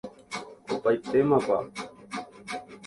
opaitémapa